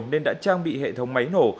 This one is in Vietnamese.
nên đã trang bị hệ thống máy nổ